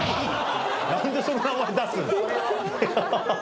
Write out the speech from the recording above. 何でその名前出すんだ！